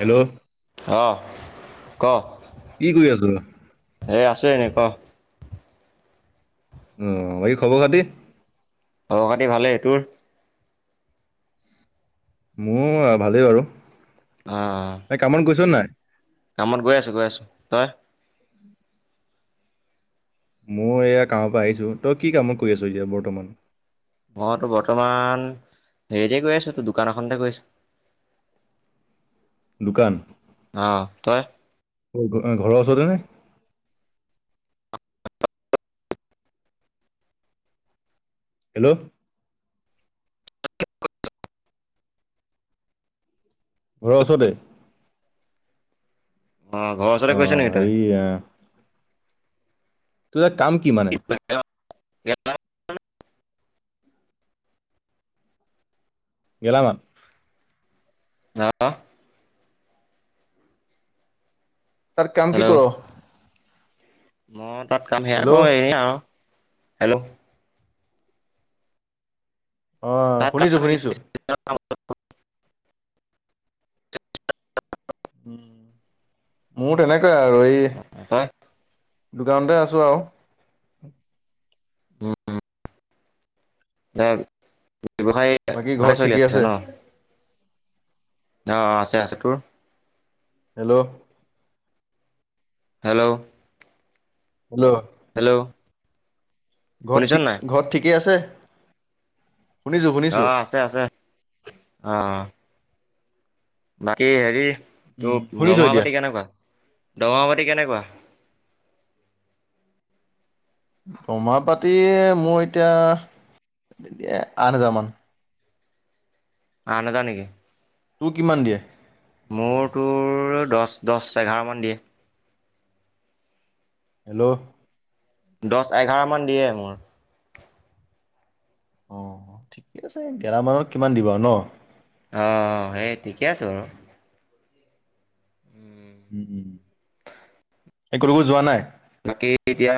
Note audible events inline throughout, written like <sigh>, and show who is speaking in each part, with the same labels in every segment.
Speaker 1: Hello
Speaker 2: উম ক
Speaker 1: কি কৰি আছ
Speaker 2: এ আছো এনে ক
Speaker 1: আহ বাকী খবৰ খাতি।
Speaker 2: অ খবৰ খাতি ভালেই তোৰ
Speaker 1: মোৰ ভালেই বাৰু।
Speaker 2: আহ
Speaker 1: এই কামত গৈছ নাই?
Speaker 2: কামত গৈ আছো গৈ আছো। তই?
Speaker 1: মই এয়া কামৰ পৰা আহিছো। তই কি কামত কৰি আছ এতিয়া বৰ্তমান?
Speaker 2: মইতো বৰ্তমান হেৰিতে গৈ আছো, টো দোকান এখনতে গৈ আছো।
Speaker 1: দোকান?
Speaker 2: অ। তই?
Speaker 1: অ ঘৰৰ ওচৰতে নে? হেল্ল', ঘৰ ওচতে?
Speaker 2: অ ঘৰৰ ওচৰতে কৈছা নেকি তই?
Speaker 1: হেৰি আ, তোৰ ইয়াত কাম কি মানে?
Speaker 2: গ <unintelligible>
Speaker 1: গেলামাল?
Speaker 2: ন <unintelligible>
Speaker 1: তাত কাম কি
Speaker 2: হেল্ল'
Speaker 1: কৰ?
Speaker 2: মই তাত কাম সেয়া কৰো
Speaker 1: হেল্ল'
Speaker 2: এনে আৰু। হেল্ল',
Speaker 1: অঁ
Speaker 2: তাৰ
Speaker 1: শুনিছোঁ
Speaker 2: কাৰণে
Speaker 1: শুনিছোঁ
Speaker 2: <unintelligible>
Speaker 1: উ মোৰ তেনেকুৱাই আৰু এই,
Speaker 2: তই
Speaker 1: দোকানতে আছো আৰু।
Speaker 2: এ ব্যৱসায়
Speaker 1: বাকী
Speaker 2: ভালে
Speaker 1: ঘৰত
Speaker 2: চলি
Speaker 1: ঠিকেই
Speaker 2: আছে ন? অহ অ আছে আছে। তোৰ?
Speaker 1: হেল্ল',
Speaker 2: হেল্ল',
Speaker 1: হেল্ল',
Speaker 2: হেল্ল'
Speaker 1: ঘৰত
Speaker 2: শুনিছ নাই
Speaker 1: থি ঘৰত ঠিকেই আছে? শুনিছোঁ
Speaker 2: অ
Speaker 1: শুনিছোঁ
Speaker 2: আছে আছে অ। বাকী হেৰি তোৰ
Speaker 1: শুনিছ
Speaker 2: দৰমহা
Speaker 1: এতিয়া
Speaker 2: পাতি কেনেকুৱা, দৰমহা পাতি কেনেকুৱা?
Speaker 1: দৰমহা পাতি মোৰ এতিয়া আঠ হাজাৰ মান।
Speaker 2: আঠ হাজাৰ নেকি?
Speaker 1: তোৰ কিমান দিয়ে?
Speaker 2: মোৰ তোৰ দহ দহ এঘাৰ মান দিয়ে।
Speaker 1: হেল্ল',
Speaker 2: দশ এঘাৰ মান দিয়ে মোৰ।
Speaker 1: অ ঠিকে আছে। গেলমালত কিমান দিব আৰু ন?
Speaker 2: অ সেই ঠিকে আছো বাৰু।
Speaker 1: উম উম কটোবোৰ যোৱা নাই?
Speaker 2: বাকী এতিয়া,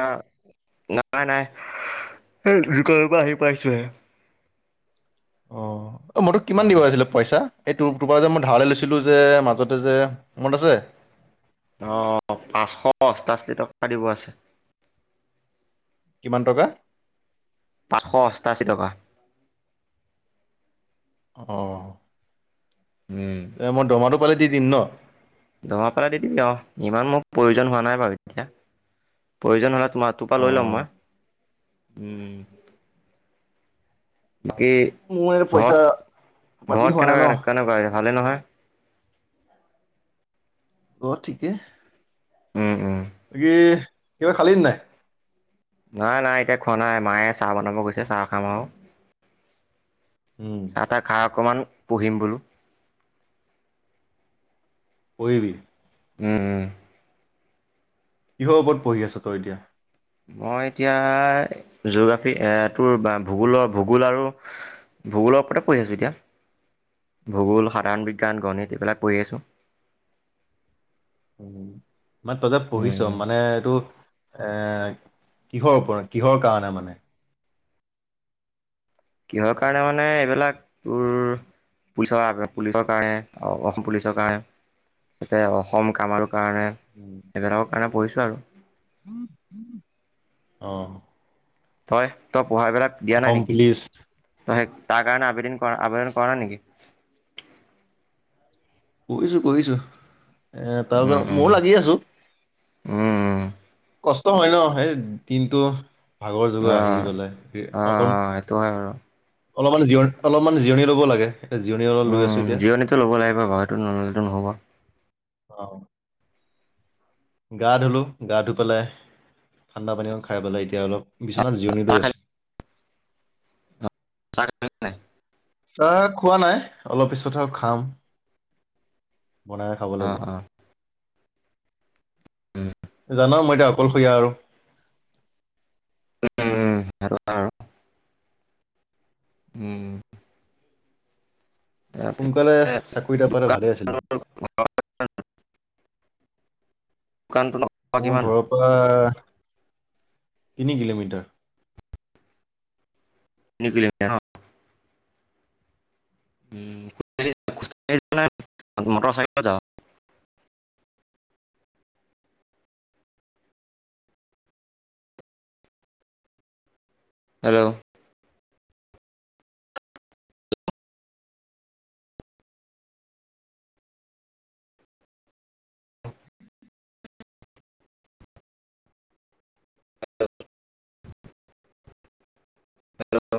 Speaker 2: নাই নাই দোকানৰপৰা আহি পাইছোহে।
Speaker 1: অ অ মই তোক কিমান দিব আছিলো পইচা? এই তু তোৰপৰা যে মই ধাৰলৈ লৈছিলো যে, মাজতে যে মনত আছে?
Speaker 2: অহ পাঁচশ অষ্টাশী টকা দিব আছে।
Speaker 1: কিমান টকা?
Speaker 2: পাঁচশ অষ্টাশী টকা।
Speaker 1: অ,
Speaker 2: উম।
Speaker 1: এ মই দৰমহাটো পালে দি দিম ন?
Speaker 2: দৰমহা পালে দি দিবি অ। ইমান মোৰ প্ৰয়োজন হোৱা নাই বাৰু এতিয়া। প্ৰয়োজন হল - তোৰপৰা
Speaker 1: অ
Speaker 2: লৈ ল'ম মই। উম। বাকী
Speaker 1: মোৰ এই পইচা
Speaker 2: ঘৰত
Speaker 1: পাতি
Speaker 2: ঘৰ
Speaker 1: হোৱা নাই
Speaker 2: কেনেকুৱা
Speaker 1: ন
Speaker 2: কেনে কেনেকুৱা ভালে নহয়?
Speaker 1: ঘৰত ঠিকেই।
Speaker 2: উম। উম।
Speaker 1: বাকি কিবা খালি নাই?
Speaker 2: নাই নাই এতিয়া খোৱা নাই মায়ে চাহ বনাব গৈছে চাহ খাম আৰু।
Speaker 1: উম
Speaker 2: চাহ তাহ খাঁ অকমান পহিম বোলো
Speaker 1: পঢ়িবি
Speaker 2: উম উম।
Speaker 1: কিহৰ ওপৰত পঢ়ি আছ তই এতিয়া।
Speaker 2: মই এতিয়া জিঅ'গ্ৰাফীটো ভূগোলৰ ভূগোল আৰু। ভূগোলৰ ওপৰতে পঢ়ি আছোঁ এতিয়া। ভূগোল সাধাৰণ বিজ্ঞান গণিত এইবিলাক পঢ়ি আছোঁ
Speaker 1: উ মই তইতে পঢ়িছ
Speaker 2: উম,
Speaker 1: মানে এইটো এ কিহৰ ওপৰত কিহৰ কাৰণে মানে।
Speaker 2: কিহৰ কাৰণে মানে এইবিলাক তোৰ পুলিচৰ পুলিচৰ কাৰণে অসম পুলিচৰ কাৰণে যাতে অসম কাম আৰু কাৰণে এইবিলাকৰ কাৰণে পঢ়িছোঁ আৰু
Speaker 1: আহ
Speaker 2: তই তই পঢ়াই বিলাক দিয়া নাই নেকি
Speaker 1: পুলিচ
Speaker 2: তই সেই তাৰ কাৰণে আবেদন কৰা আবেদন কৰা নেকি
Speaker 1: কৰিছো কৰিছো এ তাৰ
Speaker 2: উম
Speaker 1: কাৰ ময়ো
Speaker 2: উম
Speaker 1: লাগি আছো
Speaker 2: উম।
Speaker 1: কষ্ট হয় ন সেই দিনটো ভাগৰ
Speaker 2: অ
Speaker 1: যুগৰ আহি পেলাই
Speaker 2: অ অ
Speaker 1: অক।
Speaker 2: সেইটো হয় বাৰু
Speaker 1: অলপমান জিৰণি অলপমান জিৰণি লব লাগে। এতিয়া জিৰণি অলপ লৈ আছো
Speaker 2: উম
Speaker 1: এতিয়া
Speaker 2: জিৰণিতটো ল'ব লাগিব বাৰু সেইটো নলেো নহ'ব
Speaker 1: আহ গা ধুলো গা ধুই পেলাই ঠাণ্ডা পানী অকণ খাই পেলাই এতিয়া অলপ বিচনাত জিৰণি লৈ
Speaker 2: চাহ
Speaker 1: আচো
Speaker 2: খালি চাহ খালি নাই
Speaker 1: আহ খোৱা নাই অলপ পিছতহে খাম। বনাইে খাব
Speaker 2: অ
Speaker 1: লাগিব।
Speaker 2: অ উম
Speaker 1: জানা মই এতিয়া অকলশৰীয়া আৰু
Speaker 2: উম স উম।
Speaker 1: সোনকালে চাকৰিটা পালে ভালে আছিলে।
Speaker 2: দোকানটো
Speaker 1: মোৰ
Speaker 2: কিমান
Speaker 1: ঘৰৰ পৰা তিনি কিলোমিটাৰ।
Speaker 2: <unintelligible> <unintelligible> হেল্ল', <unintelligible>